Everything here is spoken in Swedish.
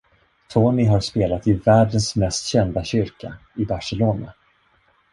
Tony har spelat i världens mest kända kyrka i Barcelona.